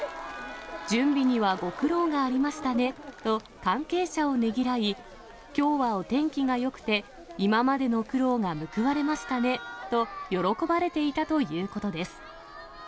準備にはご苦労がありましたねと、関係者をねぎらい、きょうはお天気が良くて、今までの苦労が報われましたねと喜ばれていたということです。